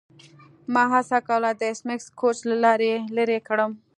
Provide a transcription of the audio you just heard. ما هڅه کوله د ایس میکس کوچ له لارې لیرې کړم